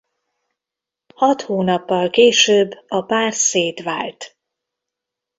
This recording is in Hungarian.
Hat hónappal később a pár szétvált.